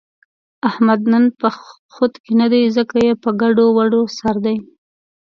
احمد نن په خود کې نه دی، ځکه یې په ګډوډو سر دی.